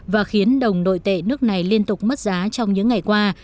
và khiến đồng nội tệ nước này liên tục mất giá trong những ngày qua